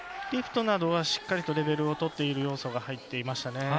リフトなどはしっかりとレベルを取っている要素が入っていましたね。